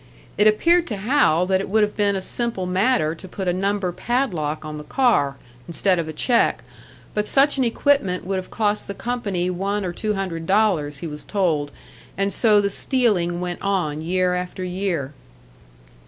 It appeared to Hal that it would have been a simple matter to put a number padlock on the car, instead of a check; but such an equipment would have cost the company one or two hundred dollars, he was told, and so the stealing went on year after year.